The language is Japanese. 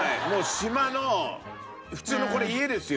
島の普通の家ですよ。